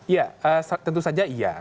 ya tentu saja iya